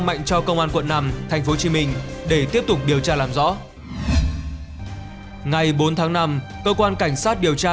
mạnh cho công an quận năm tp hcm để tiếp tục điều tra làm rõ ngày bốn tháng năm cơ quan cảnh sát điều tra